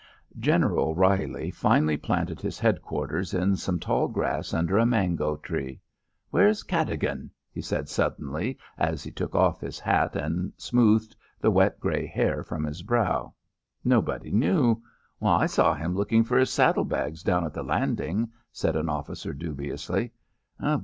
General Reilly finally planted his headquarters in some tall grass under a mango tree. "Where's Cadogan?" he said suddenly as he took off his hat and smoothed the wet grey hair from his brow. Nobody knew. "I saw him looking for his saddle bags down at the landing," said an officer dubiously.